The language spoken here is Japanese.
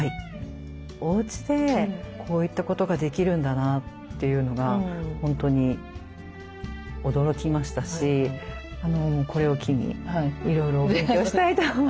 おうちでこういったことができるんだなというのが本当に驚きましたしこれを機にいろいろ勉強をしたいと思います。